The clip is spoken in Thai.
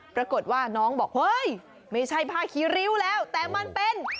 ปรากฏว่าน้องบอกเฮ้ยไม่ใช่ผ้าคีริ้วแล้วแต่มันเป็น